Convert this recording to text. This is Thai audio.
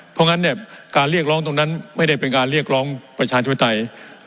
เพราะงั้นเนี่ยการเรียกร้องตรงนั้นไม่ได้เป็นการเรียกร้องประชาธิปไตย